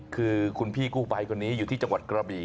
คือคุณพี่กู้ภัยคนนี้อยู่ที่จังหวัดกระบี่